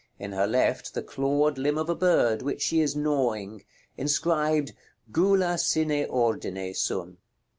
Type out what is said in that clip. In her left, the clawed limb of a bird, which she is gnawing. Inscribed "GULA SINE ORDINE SUM."